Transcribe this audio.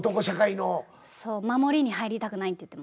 そう守りに入りたくないって言ってました。